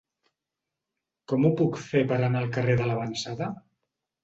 Com ho puc fer per anar al carrer de L'Avançada?